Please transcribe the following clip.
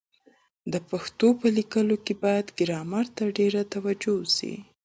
د پښتو په لیکلو کي بايد ګرامر ته ډېره توجه وسي.